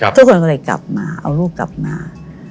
ทุกคนก็เลยเอาลูกกลับมา